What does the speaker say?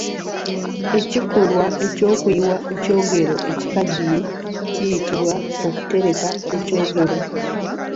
Ekikolwa ky’okuyiwa ekyogero ekikaddiye kiyitibwa Kutereka kyogero.